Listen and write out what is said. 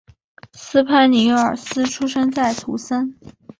斯潘尼尔斯出生在图森。